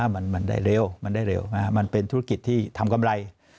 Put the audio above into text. มันได้เร็วมันได้เร็วมันเป็นธุรกิจที่ทำกำไร